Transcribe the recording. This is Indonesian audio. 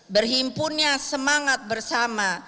berhimpunnya semangat bersama